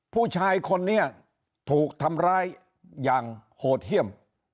ผู้ชายคนนี้ถูกทำร้ายอย่างโหดเยี่ยม